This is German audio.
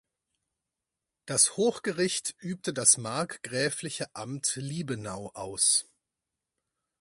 Das Hochgericht übte des markgräfliche Amt Liebenau aus.